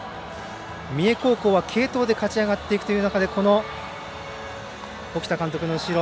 三重高校は、継投で勝ち上がっていくという中でこの沖田監督の後ろ